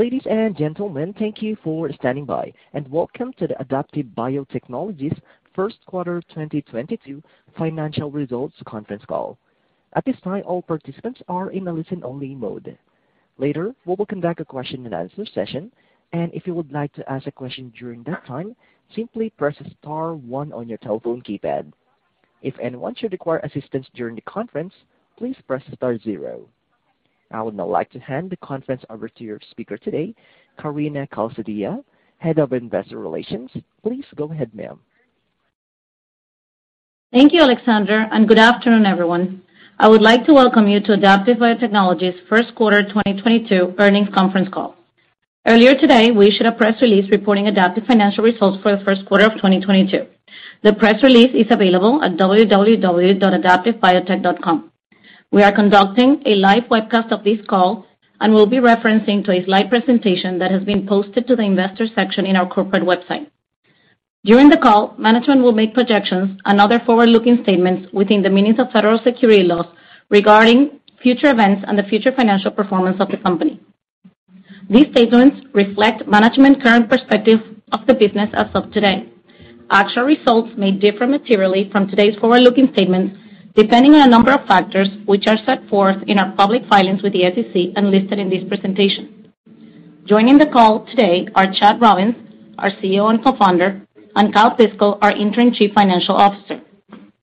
Ladies and gentlemen, thank you for standing by, and welcome to the Adaptive Biotechnologies First Quarter 2022 Financial Results Conference Call. At this time, all participants are in a listen-only mode. Later, we'll conduct a question-and-answer session, and if you would like to ask a question during that time, simply press star one on your telephone keypad. If anyone should require assistance during the conference, please press star zero. I would now like to hand the conference over to your speaker today, Karina Calzadilla, Head of Investor Relations. Please go ahead, ma'am. Thank you, Alexandra, and good afternoon, everyone. I would like to welcome you to Adaptive Biotechnologies' First Quarter 2022 Earnings Conference Call. Earlier today, we issued a press release reporting Adaptive's financial results for the first quarter of 2022. The press release is available at www.adaptivebiotech.com. We are conducting a live webcast of this call and will be referring to a slide presentation that has been posted to the investor section of our corporate website. During the call, management will make projections and other forward-looking statements within the meaning of federal securities laws regarding future events and the future financial performance of the company. These statements reflect management's current perspective of the business as of today. Actual results may differ materially from today's forward-looking statements, depending on a number of factors, which are set forth in our public filings with the SEC and listed in this presentation. Joining the call today are Chad Robins, our CEO and Co-founder, and Kyle Piskel, our Interim Chief Financial Officer.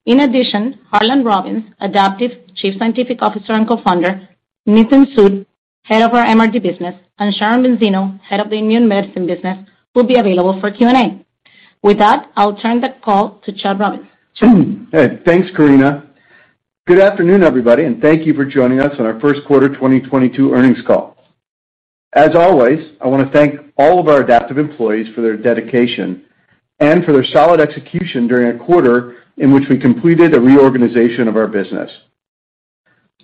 In addition, Harlan Robins, our Chief Scientific Officer and Co-founder, Nitin Sood, Head of our MRD business, and Sharon Benzeno, Head of the Immune Medicine business, will be available for Q&A. With that, I'll turn the call to Chad Robins. Hey, thanks, Karina. Good afternoon, everybody, and thank you for joining us on our first quarter 2022 earnings call. As always, I wanna thank all of our Adaptive employees for their dedication and for their solid execution during a quarter in which we completed a reorganization of our business.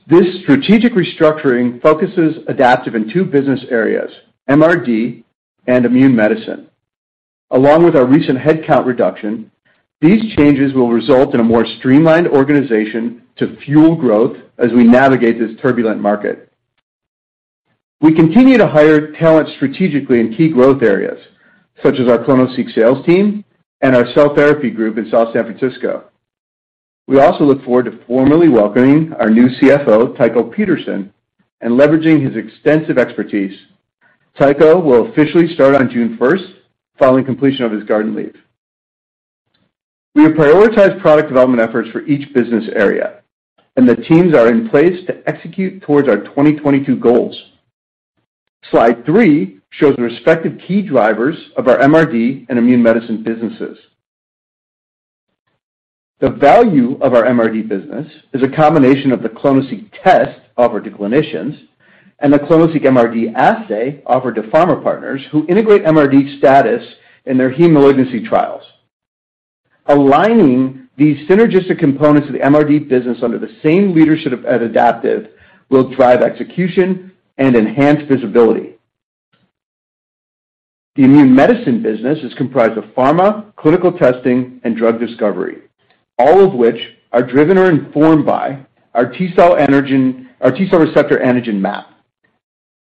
This strategic restructuring focuses Adaptive in two business areas, MRD and Immune Medicine. Along with our recent headcount reduction, these changes will result in a more streamlined organization to fuel growth as we navigate this turbulent market. We continue to hire talent strategically in key growth areas, such as our clonoSEQ sales team and our cell therapy group in South San Francisco. We also look forward to formally welcoming our new CFO, Tycho Peterson, and leveraging his extensive expertise. Tycho will officially start on June 1st, following completion of his garden leave. We have prioritized product development efforts for each business area, and the teams are in place to execute towards our 2022 goals. Slide 3 shows the respective key drivers of our MRD and Immune Medicine businesses. The value of our MRD business is a combination of the clonoSEQ test offered to clinicians and the clonoSEQ MRD assay offered to pharma partners who integrate MRD status in their heme malignancy trials. Aligning these synergistic components of the MRD business under the same leadership at Adaptive will drive execution and enhance visibility. The Immune Medicine business is comprised of pharma, clinical testing, and drug discovery, all of which are driven or informed by our T-cell receptor antigen map.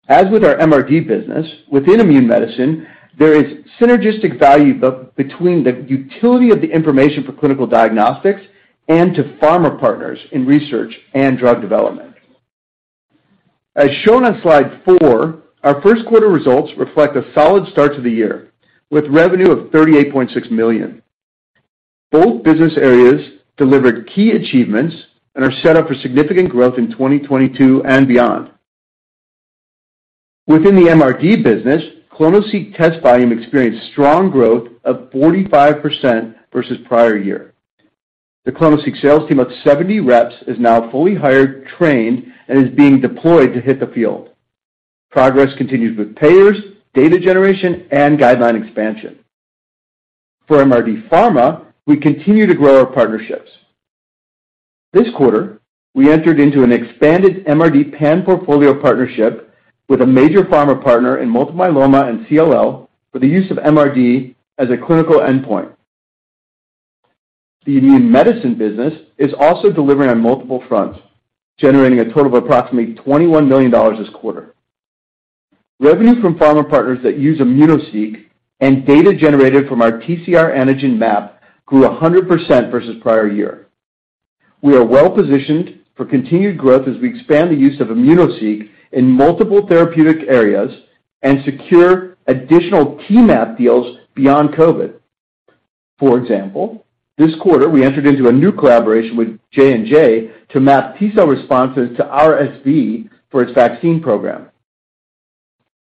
As with our MRD business, within Immune Medicine, there is synergistic value between the utility of the information for clinical diagnostics and to pharma partners in research and drug development. As shown on slide 4, our first quarter results reflect a solid start to the year, with revenue of $38.6 million. Both business areas delivered key achievements and are set up for significant growth in 2022 and beyond. Within the MRD business, clonoSEQ test volume experienced strong growth of 45% versus prior year. The clonoSEQ sales team of 70 reps is now fully hired, trained, and is being deployed to hit the field. Progress continues with payers, data generation, and guideline expansion. For MRD pharma, we continue to grow our partnerships. This quarter, we entered into an expanded MRD pan-portfolio partnership with a major pharma partner in multiple myeloma and CLL for the use of MRD as a clinical endpoint. The Immune Medicine business is also delivering on multiple fronts, generating a total of approximately $21 million this quarter. Revenue from pharma partners that use immunoSEQ and data generated from our TCR-Antigen Map grew 100% versus prior year. We are well-positioned for continued growth as we expand the use of immunoSEQ in multiple therapeutic areas and secure additional T-MAP deals beyond COVID. For example, this quarter, we entered into a new collaboration with J&J to map T-cell responses to RSV for its vaccine program.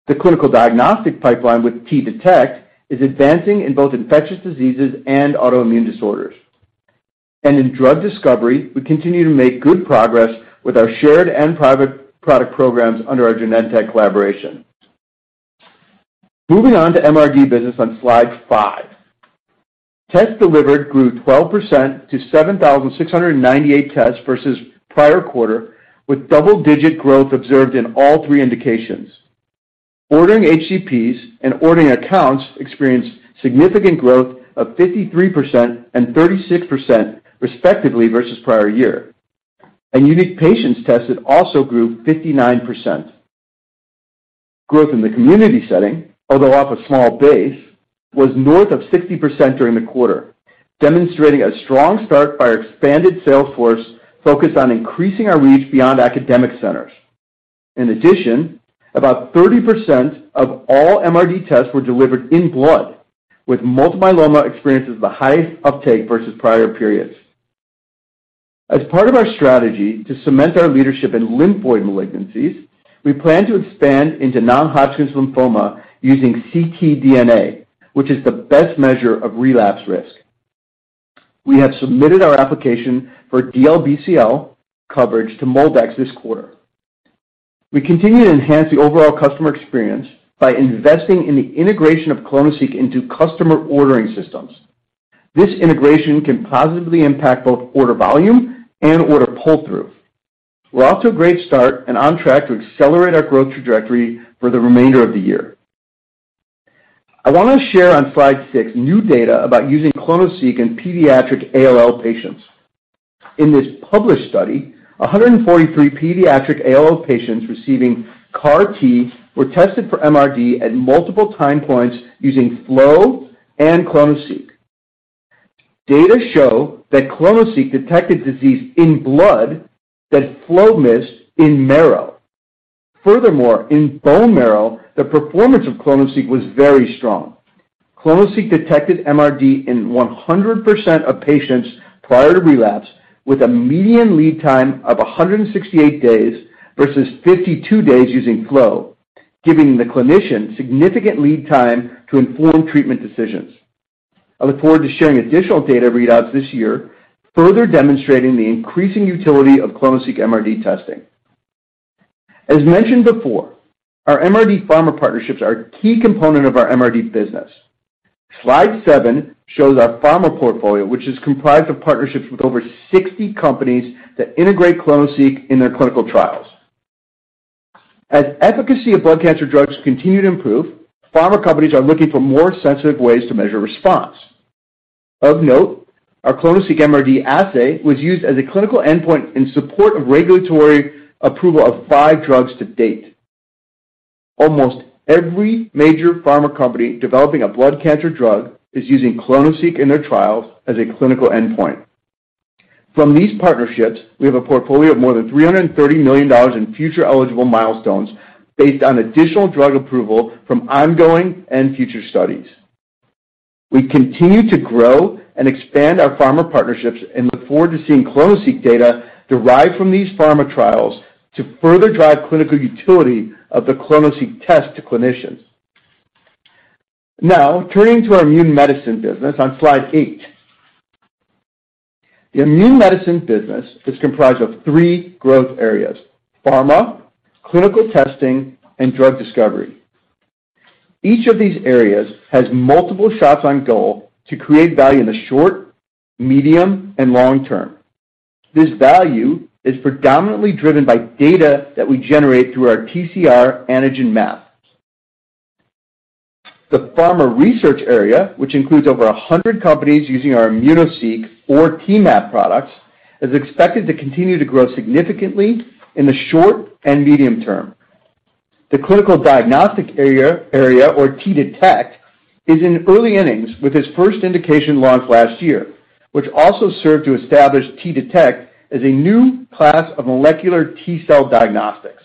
The clinical diagnostic pipeline with T-Detect is advancing in both infectious diseases and autoimmune disorders. In drug discovery, we continue to make good progress with our shared and private product programs under our Genentech collaboration. Moving on to MRD business on slide five. Tests delivered grew 12% to 7,698 tests versus prior quarter, with double-digit growth observed in all three indications. Ordering HCPs and ordering accounts experienced significant growth of 53% and 36% respectively versus prior year. Unique patients tested also grew 59%. Growth in the community setting, although off a small base, was north of 60% during the quarter, demonstrating a strong start by our expanded sales force focused on increasing our reach beyond academic centers. In addition, about 30% of all MRD tests were delivered in blood, with multiple myeloma experienced the highest uptake versus prior periods. As part of our strategy to cement our leadership in lymphoid malignancies, we plan to expand into non-Hodgkin's lymphoma using ctDNA, which is the best measure of relapse risk. We have submitted our application for DLBCL coverage to MolDX this quarter. We continue to enhance the overall customer experience by investing in the integration of clonoSEQ into customer ordering systems. This integration can positively impact both order volume and order pull-through. We're off to a great start and on track to accelerate our growth trajectory for the remainder of the year. I want to share on slide 6 new data about using clonoSEQ in pediatric ALL patients. In this published study, 143 pediatric ALL patients receiving CAR T were tested for MRD at multiple time points using flow and clonoSEQ. Data show that clonoSEQ detected disease in blood that flow missed in marrow. Furthermore, in bone marrow, the performance of clonoSEQ was very strong. clonoSEQ detected MRD in 100% of patients prior to relapse, with a median lead time of 168 days versus 52 days using flow, giving the clinician significant lead time to inform treatment decisions. I look forward to sharing additional data readouts this year, further demonstrating the increasing utility of clonoSEQ MRD testing. As mentioned before, our MRD pharma partnerships are a key component of our MRD business. Slide 7 shows our pharma portfolio, which is comprised of partnerships with over 60 companies that integrate clonoSEQ in their clinical trials. As efficacy of blood cancer drugs continue to improve, pharma companies are looking for more sensitive ways to measure response. Of note, our clonoSEQ MRD assay was used as a clinical endpoint in support of regulatory approval of 5 drugs to date. Almost every major pharma company developing a blood cancer drug is using clonoSEQ in their trials as a clinical endpoint. From these partnerships, we have a portfolio of more than $330 million in future eligible milestones based on additional drug approval from ongoing and future studies. We continue to grow and expand our pharma partnerships and look forward to seeing clonoSEQ data derived from these pharma trials to further drive clinical utility of the clonoSEQ test to clinicians. Now, turning to our Immune Medicine business on slide 8. The Immune Medicine business is comprised of three growth areas: pharma, clinical testing, and drug discovery. Each of these areas has multiple shots on goal to create value in the short, medium, and long term. This value is predominantly driven by data that we generate through our TCR-Antigen Map. The pharma research area, which includes over 100 companies using our immunoSEQ or T-MAP products, is expected to continue to grow significantly in the short and medium term. The clinical diagnostic area or T-Detect, is in early innings with its first indication launched last year, which also served to establish T-Detect as a new class of molecular T-cell diagnostics.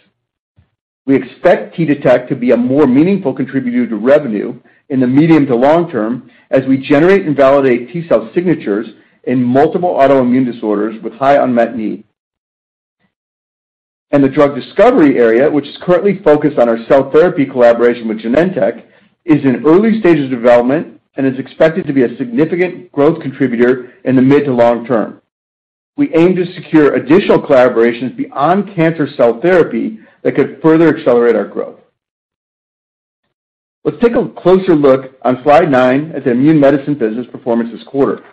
We expect T-Detect to be a more meaningful contributor to revenue in the medium to long term as we generate and validate T cell signatures in multiple autoimmune disorders with high unmet need. The drug discovery area, which is currently focused on our cell therapy collaboration with Genentech, is in early stages of development and is expected to be a significant growth contributor in the mid to long term. We aim to secure additional collaborations beyond cancer cell therapy that could further accelerate our growth. Let's take a closer look on slide nine at the Immune Medicine business performance this quarter.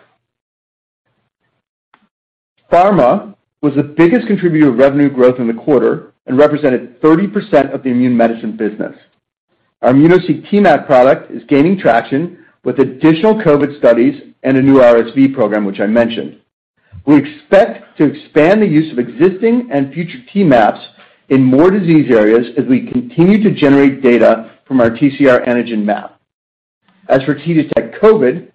Pharma was the biggest contributor of revenue growth in the quarter and represented 30% of the Immune Medicine business. Our immunoSEQ T-MAP product is gaining traction with additional COVID studies and a new RSV program, which I mentioned. We expect to expand the use of existing and future T-MAPs in more disease areas as we continue to generate data from our TCR-Antigen Map. As for T-Detect COVID,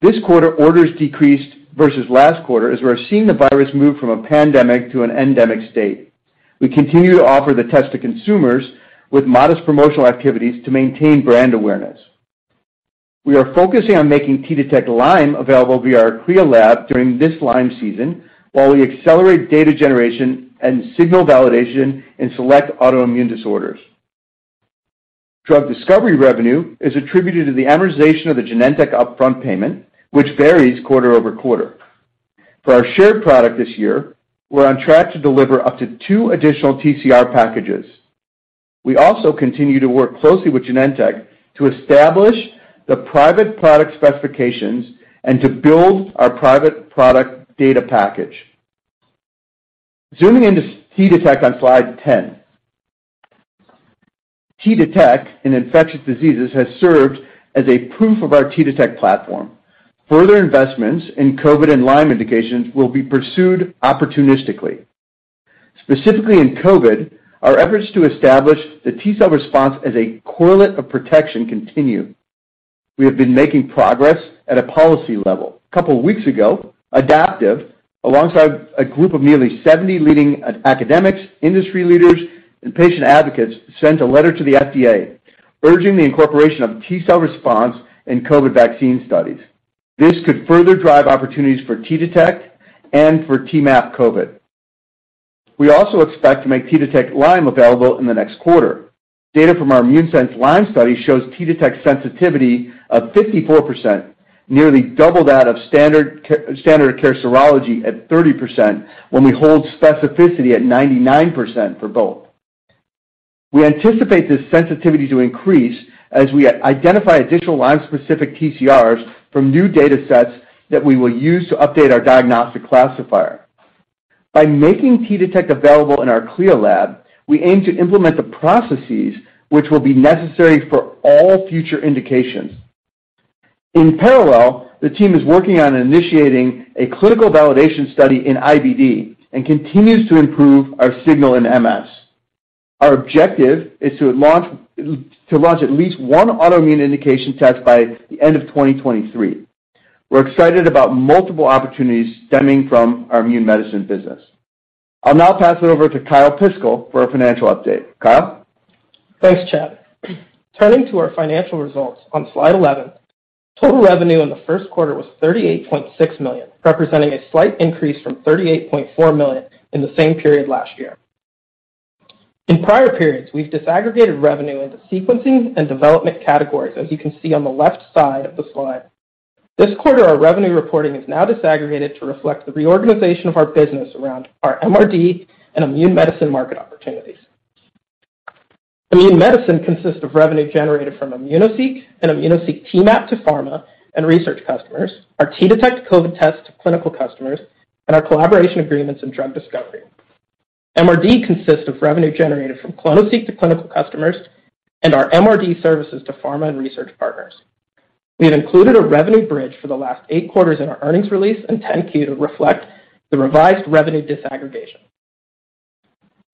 this quarter orders decreased versus last quarter as we're seeing the virus move from a pandemic to an endemic state. We continue to offer the test to consumers with modest promotional activities to maintain brand awareness. We are focusing on making T-Detect Lyme available via our CLIA lab during this Lyme season while we accelerate data generation and signal validation in select autoimmune disorders. Drug discovery revenue is attributed to the amortization of the Genentech upfront payment, which varies quarter over quarter. For our shared product this year, we're on track to deliver up to 2 additional TCR packages. We also continue to work closely with Genentech to establish the private product specifications and to build our private product data package. Zooming into T-Detect on slide 10. T-Detect in infectious diseases has served as a proof of our T-Detect platform. Further investments in COVID and Lyme indications will be pursued opportunistically. Specifically in COVID, our efforts to establish the T-cell response as a correlate of protection continue. We have been making progress at a policy level. A couple weeks ago, Adaptive, alongside a group of nearly 70 leading academics, industry leaders, and patient advocates, sent a letter to the FDA, urging the incorporation of T-cell response in COVID vaccine studies. This could further drive opportunities for T-Detect and for T-MAP COVID. We also expect to make T-Detect Lyme available in the next quarter. Data from our ImmuneSense Lyme study shows T-Detect sensitivity of 54%, nearly double that of standard of care serology at 30% when we hold specificity at 99% for both. We anticipate this sensitivity to increase as we identify additional Lyme-specific TCRs from new datasets that we will use to update our diagnostic classifier. By making T-Detect available in our CLIA lab, we aim to implement the processes which will be necessary for all future indications. In parallel, the team is working on initiating a clinical validation study in IBD and continues to improve our signal in MS. Our objective is to launch at least one autoimmune indication test by the end of 2023. We're excited about multiple opportunities stemming from our Immune Medicine business. I'll now pass it over to Kyle Piskel for a financial update. Kyle? Thanks, Chad. Turning to our financial results on slide 11, total revenue in the first quarter was $38.6 million, representing a slight increase from $38.4 million in the same period last year. In prior periods, we've disaggregated revenue into sequencing and development categories, as you can see on the left side of the slide. This quarter, our revenue reporting is now disaggregated to reflect the reorganization of our business around our MRD and Immune Medicine market opportunities. Immune Medicine consists of revenue generated from immunoSEQ and immunoSEQ T-MAP to pharma and research customers, our T-Detect COVID test to clinical customers, and our collaboration agreements in drug discovery. MRD consists of revenue generated from clonoSEQ to clinical customers and our MRD services to pharma and research partners. We have included a revenue bridge for the last eight quarters in our earnings release and 10-K to reflect the revised revenue disaggregation.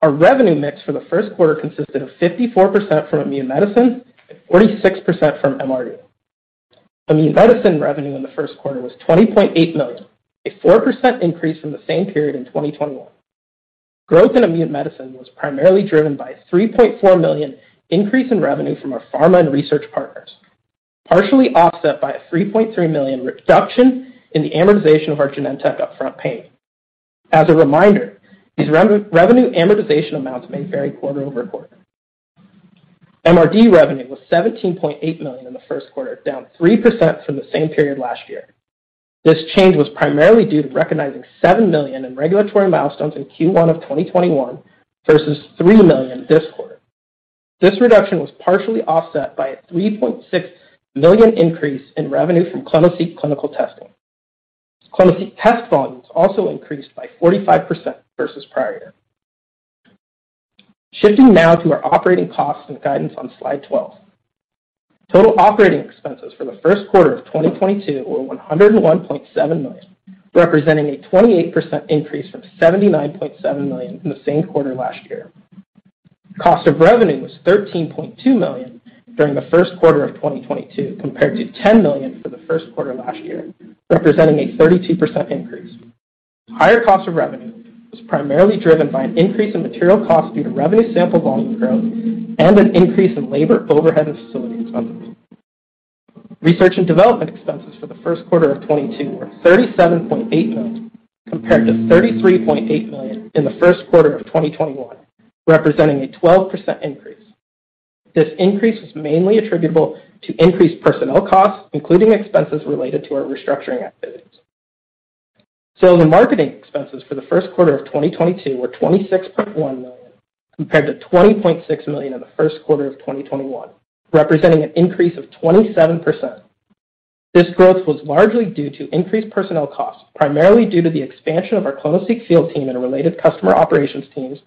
Our revenue mix for the first quarter consisted of 54% from Immune Medicine and 46% from MRD. Immune Medicine revenue in the first quarter was $20.8 million, a 4% increase from the same period in 2021. Growth in Immune Medicine was primarily driven by $3.4 million increase in revenue from our pharma and research partners, partially offset by a $3.3 million reduction in the amortization of our Genentech upfront payment. As a reminder, these revenue amortization amounts may vary quarter-over-quarter. MRD revenue was $17.8 million in the first quarter, down 3% from the same period last year. This change was primarily due to recognizing $7 million in regulatory milestones in Q1 of 2021 versus $3 million this quarter. This reduction was partially offset by a $3.6 million increase in revenue from clonoSEQ clinical testing. clonoSEQ test volumes also increased by 45% versus prior year. Shifting now to our operating costs and guidance on slide 12. Total operating expenses for the first quarter of 2022 were $101.7 million, representing a 28% increase from $79.7 million in the same quarter last year. Cost of revenue was $13.2 million during the first quarter of 2022 compared to $10 million for the first quarter last year, representing a 32% increase. Higher cost of revenue was primarily driven by an increase in material cost due to revenue sample volume growth and an increase in labor, overhead, and facility expenses. Research and development expenses for the first quarter of 2022 were $37.8 million, compared to $33.8 million in the first quarter of 2021, representing a 12% increase. This increase was mainly attributable to increased personnel costs, including expenses related to our restructuring activities. Sales and marketing expenses for the first quarter of 2022 were $26.1 million, compared to $20.6 million in the first quarter of 2021, representing an increase of 27%. This growth was largely due to increased personnel costs, primarily due to the expansion of our clonoSEQ field team and related customer operations teams,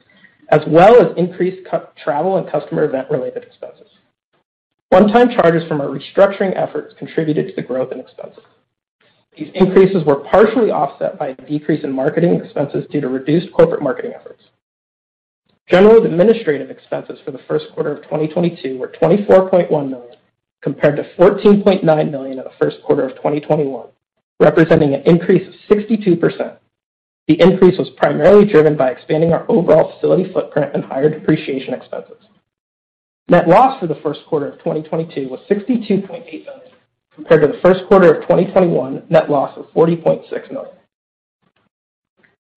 as well as increased customer travel and customer event-related expenses. One-time charges from our restructuring efforts contributed to the growth in expenses. These increases were partially offset by a decrease in marketing expenses due to reduced corporate marketing efforts. General administrative expenses for the first quarter of 2022 were $24.1 million, compared to $14.9 million in the first quarter of 2021, representing an increase of 62%. The increase was primarily driven by expanding our overall facility footprint and higher depreciation expenses. Net loss for the first quarter of 2022 was $62.8 million, compared to the first quarter of 2021 net loss of $40.6 million.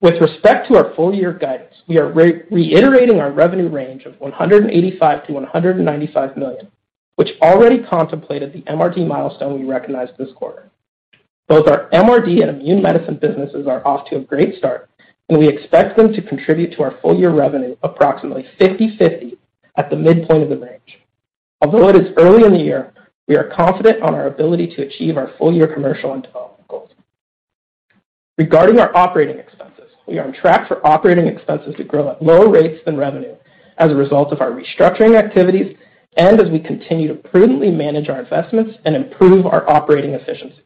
With respect to our full year guidance, we are reiterating our revenue range of $185 million-$195 million, which already contemplated the MRD milestone we recognized this quarter. Both our MRD and Immune Medicine businesses are off to a great start, and we expect them to contribute to our full-year revenue approximately 50/50 at the midpoint of the range. Although it is early in the year, we are confident on our ability to achieve our full-year commercial guidance. Regarding our operating expenses, we are on track for operating expenses to grow at lower rates than revenue as a result of our restructuring activities and as we continue to prudently manage our investments and improve our operating efficiencies.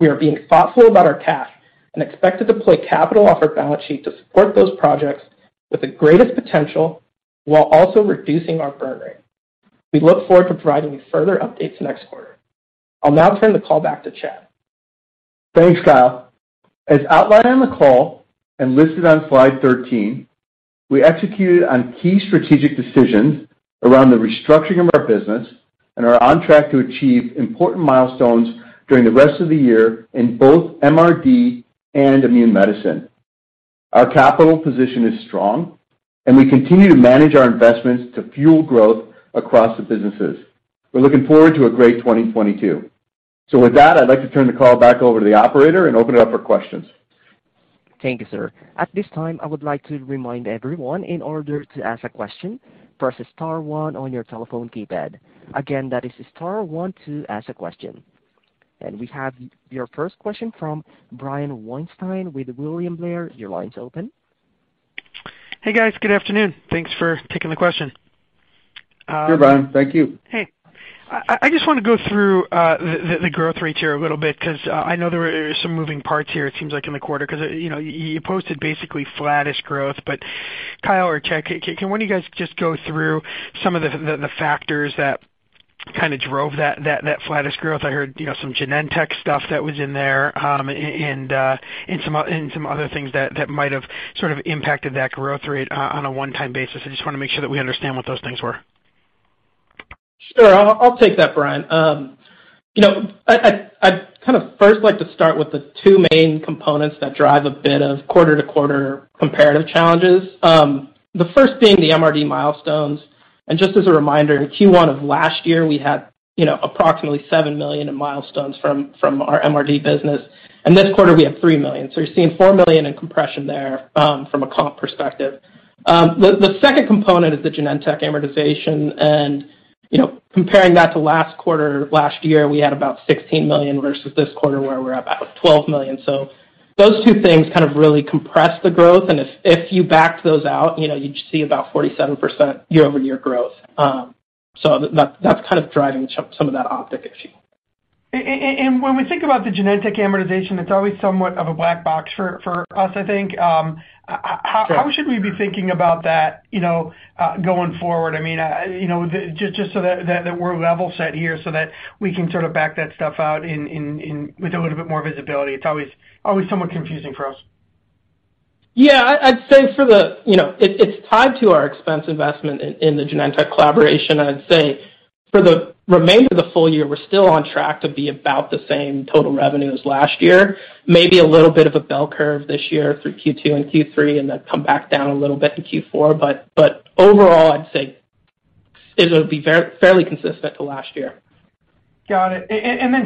We are being thoughtful about our cash and expect to deploy capital off our balance sheet to support those projects with the greatest potential while also reducing our burn rate. We look forward to providing further updates next quarter. I'll now turn the call back to Chad. Thanks, Kyle. As outlined on the call and listed on slide 13, we executed on key strategic decisions around the restructuring of our business and are on track to achieve important milestones during the rest of the year in both MRD and Immune Medicine. Our capital position is strong, and we continue to manage our investments to fuel growth across the businesses. We're looking forward to a great 2022. With that, I'd like to turn the call back over to the operator and open it up for questions. Thank you, sir. At this time, I would like to remind everyone in order to ask a question, press star one on your telephone keypad. Again, that is star one to ask a question. We have your first question from Brian Weinstein with William Blair. Your line's open. Hey, guys. Good afternoon. Thanks for taking the question. Sure, Brian. Thank you. Hey. I just wanna go through the growth rates here a little bit because I know there are some moving parts here it seems like in the quarter because, you know, you posted basically flattish growth, but Kyle or Chad, can one of you guys just go through some of the factors that kinda drove that flattish growth? I heard, you know, some Genentech stuff that was in there, and some other things that might have sort of impacted that growth rate on a one-time basis. I just wanna make sure that we understand what those things were. Sure. I'll take that, Brian. You know, I'd kinda first like to start with the two main components that drive a bit of quarter-to-quarter comparative challenges. The first being the MRD milestones. Just as a reminder, in Q1 of last year, we had, you know, approximately $7 million in milestones from our MRD business. This quarter we have $3 million. So you're seeing $4 million in compression there, from a comp perspective. The second component is the Genentech amortization. You know, comparing that to last quarter last year, we had about $16 million versus this quarter where we're about $12 million. So those two things kind of really compress the growth. If you back those out, you know, you'd see about 47% year-over-year growth. That, that's kind of driving some of that optics issue. When we think about the Genentech amortization, it's always somewhat of a black box for us, I think. How should we be thinking about that, you know, going forward? I mean, you know, just so that we're level set here so that we can sort of back that stuff out in with a little bit more visibility. It's always somewhat confusing for us. Yeah. I'd say, you know, it's tied to our R&D investment in the Genentech collaboration. I'd say for the remainder of the full year, we're still on track to be about the same total revenue as last year. Maybe a little bit of a bell curve this year through Q2 and Q3, and then come back down a little bit in Q4. Overall, I'd say it'll be fairly consistent to last year. Got it.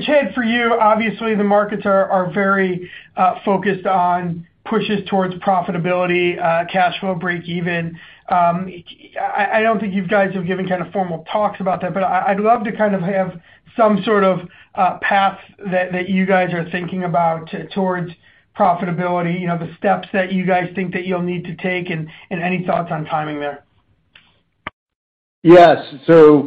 Chad, for you, obviously the markets are very focused on pushes towards profitability, cash flow breakeven. I don't think you guys have given kind of formal talks about that, but I'd love to kind of have some sort of path that you guys are thinking about towards profitability, you know, the steps that you guys think that you'll need to take, and any thoughts on timing there. Yes. First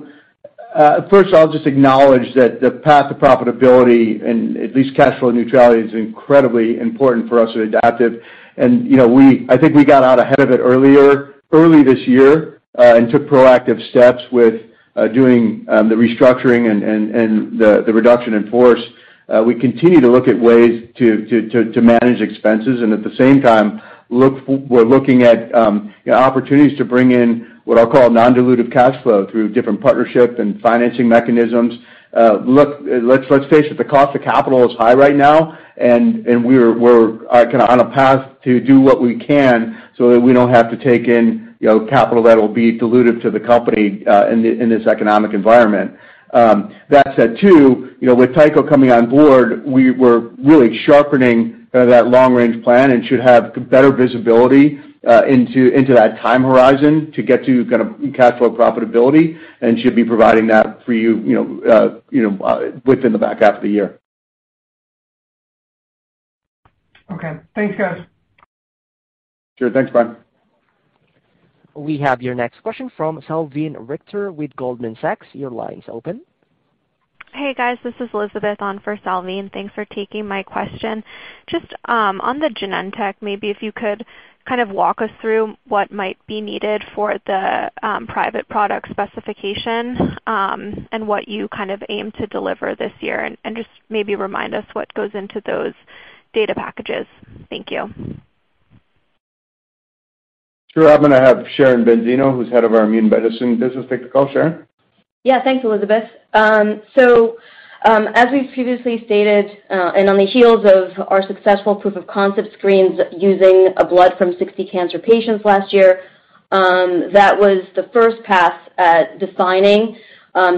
of all, I'll just acknowledge that the path to profitability and at least cash flow neutrality is incredibly important for us at Adaptive. You know, I think we got out ahead of it earlier this year and took proactive steps with doing the restructuring and the reduction in force. We continue to look at ways to manage expenses and at the same time we're looking at opportunities to bring in what I'll call non-dilutive cash flow through different partnerships and financing mechanisms. Look, let's face it, the cost of capital is high right now and we're kinda on a path to do what we can so that we don't have to take in, you know, capital that will be dilutive to the company in this economic environment. That said too, you know, with Tycho coming on board, we were really sharpening that long-range plan and should have better visibility into that time horizon to get to kinda cash flow profitability and should be providing that for you know, within the back half of the year. Okay. Thanks, guys. Sure. Thanks, Brian. We have your next question from Salveen Richter with Goldman Sachs. Your line's open. Hey, guys. This is Elizabeth on for Salveen. Thanks for taking my question. Just on the Genentech, maybe if you could kind of walk us through what might be needed for the private product specification, and what you kind of aim to deliver this year, and just maybe remind us what goes into those data packages. Thank you. Sure. I'm gonna have Sharon Benzeno, who's head of our Immune Medicine business, take the call. Sharon? Yeah. Thanks, Elizabeth. As we've previously stated, and on the heels of our successful proof of concept screens using a blood from 60 cancer patients last year, that was the first pass at defining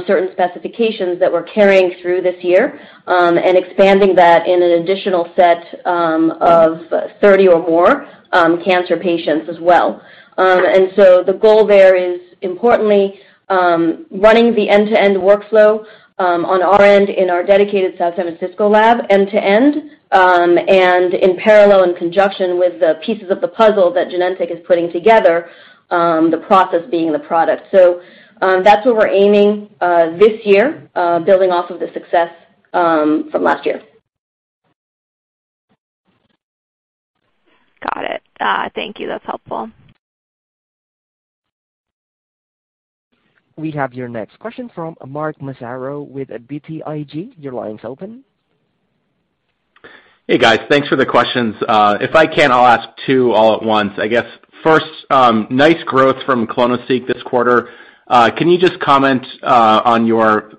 certain specifications that we're carrying through this year, and expanding that in an additional set of 30 or more cancer patients as well. The goal there is importantly, running the end-to-end workflow on our end in our dedicated San Francisco lab end to end, and in parallel, in conjunction with the pieces of the puzzle that Genentech is putting together, the process being the product. That's what we're aiming this year, building off of the success from last year. Got it. Thank you. That's helpful. We have your next question from Mark Massaro with BTIG. Your line is open. Hey, guys. Thanks for the questions. If I can, I'll ask two all at once, I guess. First, nice growth from clonoSEQ this quarter. Can you just comment on your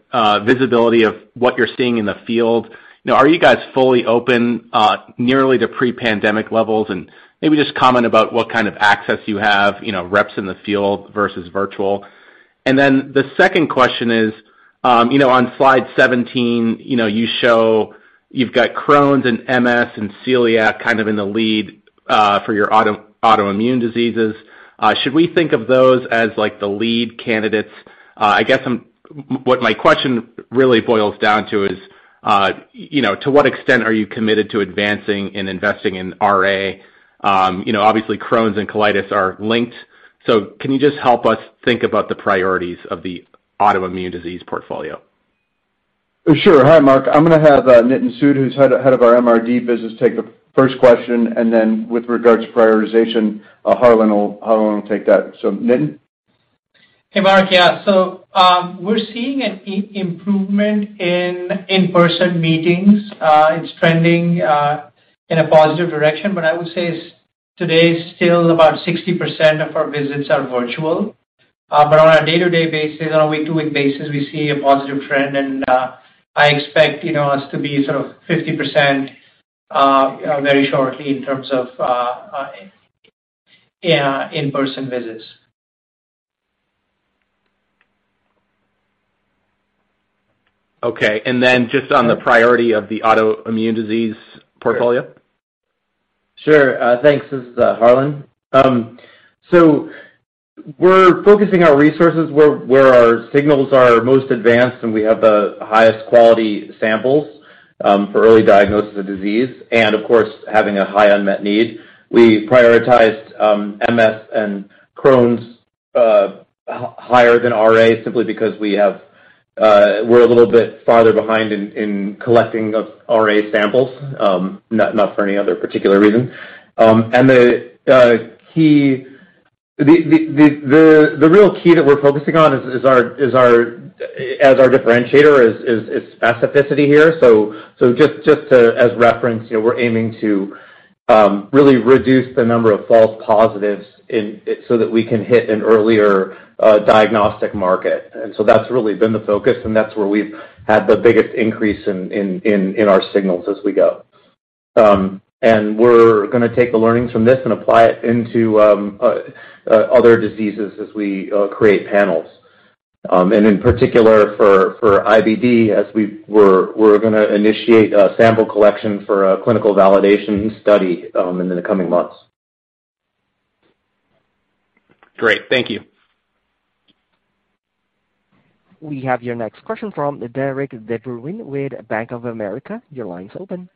visibility of what you're seeing in the field? You know, are you guys fully open, nearly to pre-pandemic levels? And maybe just comment about what kind of access you have, you know, reps in the field versus virtual. And then the second question is, you know, on slide 17, you know, you show you've got Crohn's and MS and celiac kind of in the lead for your autoimmune diseases. Should we think of those as, like, the lead candidates? I guess what my question really boils down to is, you know, to what extent are you committed to advancing and investing in RA? You know, obviously, Crohn's and colitis are linked. Can you just help us think about the priorities of the autoimmune disease portfolio? Sure. Hi, Mark. I'm gonna have Nitin Sood, who's head of our MRD business, take the first question, and then with regards to prioritization, Harlan will take that. Nitin. Hey, Mark. Yeah, we're seeing an improvement in in-person meetings. It's trending in a positive direction. I would say today is still about 60% of our visits are virtual. On a day-to-day basis, on a week-to-week basis, we see a positive trend. I expect, you know, us to be sort of 50% in terms of in-person visits. Okay. Just on the priority of the autoimmune disease portfolio. Sure. Thanks. This is Harlan. We're focusing our resources where our signals are most advanced, and we have the highest quality samples for early diagnosis of disease and of course, having a high unmet need. We prioritized MS and Crohn's higher than RA simply because we're a little bit farther behind in collecting RA samples, not for any other particular reason. The real key that we're focusing on is our differentiator, its specificity here. Just as reference, you know, we're aiming to really reduce the number of false positives so that we can hit an earlier diagnostic market. That's really been the focus, and that's where we've had the biggest increase in our signals as we go. We're gonna take the learnings from this and apply it into other diseases as we create panels. In particular for IBD as we're gonna initiate a sample collection for a clinical validation study in the coming months. Great. Thank you. We have your next question from Derik de Bruin with Bank of America. Your line is open.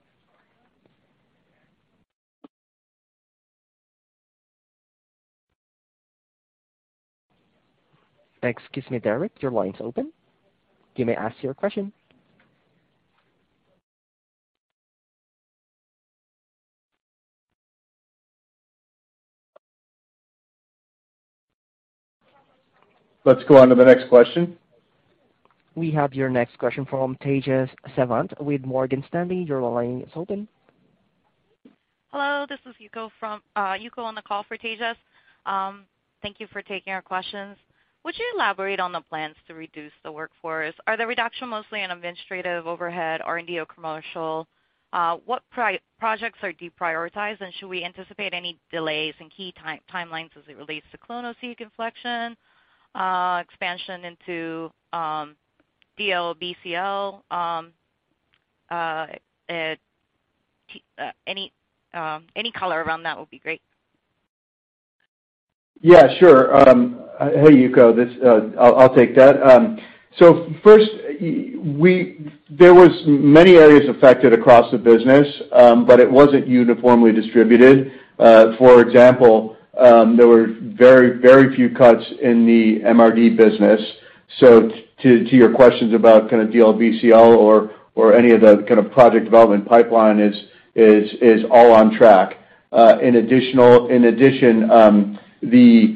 Excuse me, Derik. Your line's open. You may ask your question. Let's go on to the next question. We have your next question from Tejas Savant with Morgan Stanley. Your line is open. Hello, this is Yuko from, Yuko on the call for Tejas. Thank you for taking our questions. Would you elaborate on the plans to reduce the workforce? Are the reduction mostly on administrative overhead, R&D or commercial? What projects are deprioritized, and should we anticipate any delays in key timelines as it relates to clonoSEQ inflection, expansion into DLBCL? Any color around that would be great. Yeah, sure. Hey, Yuko. This, I'll take that. So first, there was many areas affected across the business, but it wasn't uniformly distributed. For example, there were very few cuts in the MRD business. So to your questions about kind of DLBCL or any of the kind of project development pipeline is all on track. In addition, the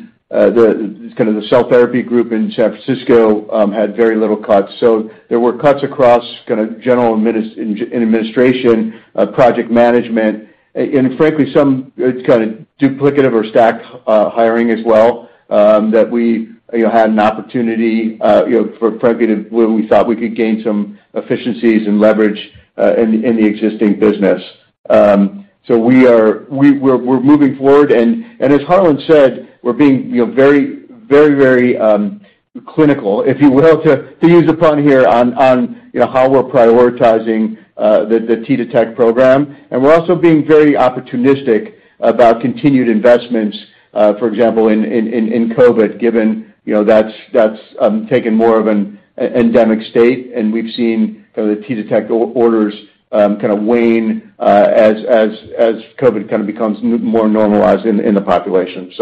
cell therapy group in San Francisco had very little cuts. So there were cuts across kind of general administration, project management, and frankly, some kind of duplicative or stacked hiring as well, that we, you know, had an opportunity, you know, for frankly where we thought we could gain some efficiencies and leverage in the existing business. We're moving forward. As Harlan said, we're being, you know, very clinical, if you will, to use a pun here on you know how we're prioritizing the T-Detect program. We're also being very opportunistic about continued investments, for example, in COVID, given you know that's taken more of an endemic state and we've seen the T-Detect orders kind of wane as COVID kind of becomes more normalized in the population.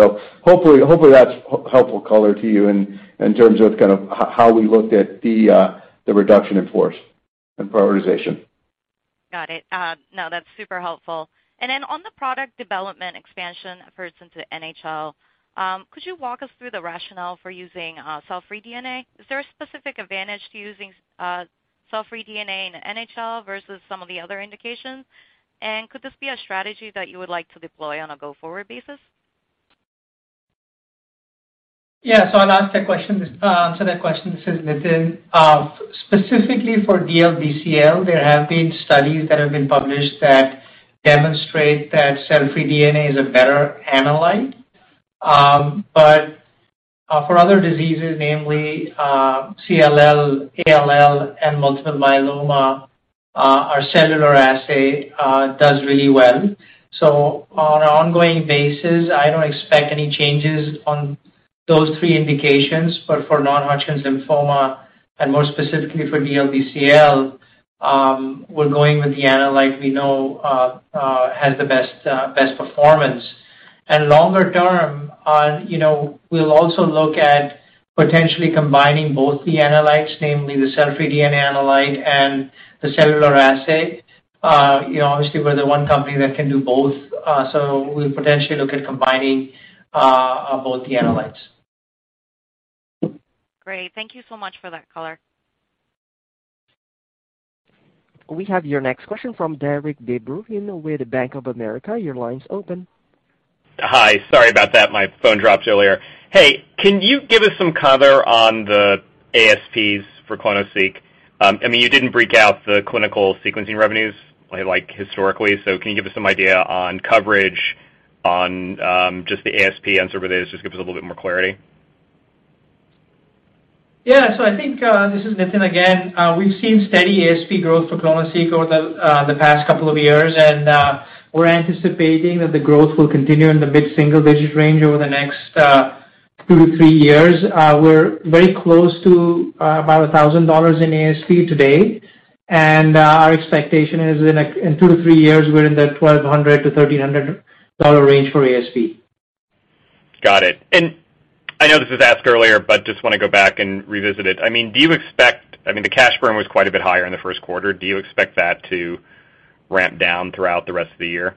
Hopefully that's helpful color to you in terms of kind of how we looked at the reduction in force and prioritization. Got it. No, that's super helpful. Then on the product development expansion efforts into NHL, could you walk us through the rationale for using cell-free DNA? Is there a specific advantage to using cell-free DNA in NHL versus some of the other indications? Could this be a strategy that you would like to deploy on a go-forward basis? Yeah. I'll answer that question. This is Nitin. Specifically for DLBCL, there have been studies that have been published that demonstrate that cell-free DNA is a better analyte. For other diseases, namely CLL, ALL, and multiple myeloma, our cellular assay does really well. On an ongoing basis, I don't expect any changes on those three indications, but for non-Hodgkin's lymphoma, and more specifically for DLBCL, we're going with the analyte we know has the best performance. Longer term, you know, we'll also look at potentially combining both the analytes, namely the cell-free DNA analyte and the cellular assay. You know, obviously, we're the one company that can do both, so we'll potentially look at combining both the analytes. Great. Thank you so much for that color. We have your next question from Derik de Bruin with Bank of America. Your line's open. Hi. Sorry about that. My phone dropped earlier. Hey, can you give us some color on the ASPs for clonoSEQ? I mean, you didn't break out the clinical sequencing revenues, like, historically, so can you give us some idea on coverage on, just the ASP and sort of just give us a little bit more clarity? Yeah. I think this is Nitin again. We've seen steady ASP growth for clonoSEQ over the past couple of years, and we're anticipating that the growth will continue in the mid-single digit range over the next two to three years. We're very close to about $1,000 in ASP today. Our expectation is in two to three years, we're in the $1,200-$1,300 range for ASP. Got it. I know this was asked earlier, but just wanna go back and revisit it. I mean, the cash burn was quite a bit higher in the first quarter. Do you expect that to ramp down throughout the rest of the year?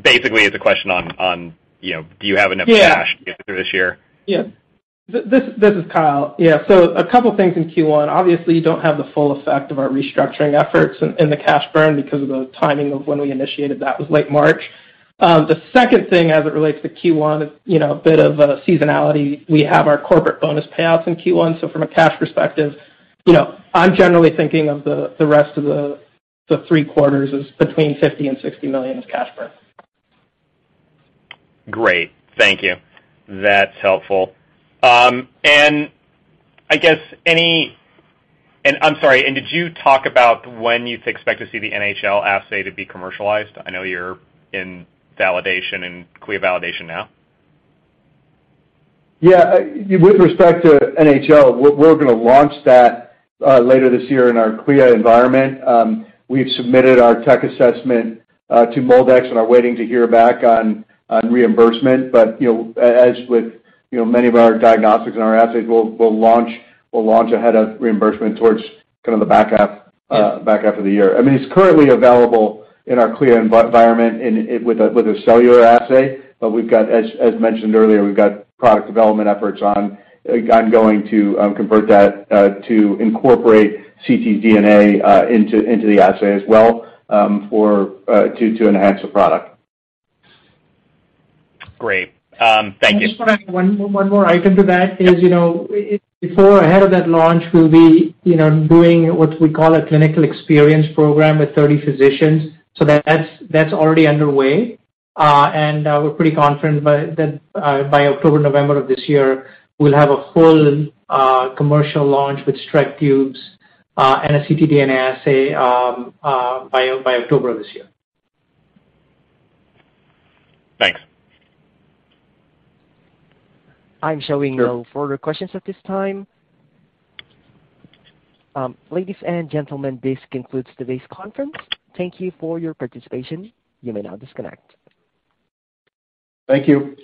Basically, it's a question on, you know, do you have enough cash to get through this year? This is Kyle. A couple of things in Q1, obviously, you don't have the full effect of our restructuring efforts in the cash burn because of the timing of when we initiated that, was late March. The second thing as it relates to Q1 is, you know, a bit of a seasonality. We have our corporate bonus payouts in Q1, so from a cash perspective, you know, I'm generally thinking of the rest of the three quarters as between $50 million and $60 million is cash burn. Great. Thank you. That's helpful. I'm sorry, did you talk about when you'd expect to see the NHL assay to be commercialized? I know you're in validation, in CLIA validation now. Yeah. With respect to NHL, we're gonna launch that later this year in our CLIA environment. We've submitted our tech assessment to MolDX and are waiting to hear back on reimbursement. You know, as with many of our diagnostics and our assays, we'll launch ahead of reimbursement towards kind of the back half of the year. I mean, it's currently available in our CLIA environment with a cellular assay, but we've got, as mentioned earlier, product development efforts ongoing to convert that to incorporate ctDNA into the assay as well for to enhance the product. Great. Thank you. I just wanna add one more item to that, you know, before or ahead of that launch, we'll be doing what we call a clinical experience program with 30 physicians. That's already underway. We're pretty confident by October, November of this year, we'll have a full commercial launch with Streck tubes and a ctDNA assay by October of this year. Thanks. I'm showing no further questions at this time. Ladies and gentlemen, this concludes today's conference. Thank you for your participation. You may now disconnect. Thank you.